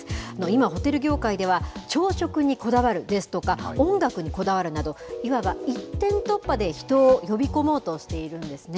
今、ホテル業界では、朝食にこだわるですとか、音楽にこだわるなど、いわば一点突破で人を呼び込もうとしているんですね。